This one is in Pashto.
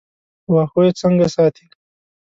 په واښو یې څنګه ساتې.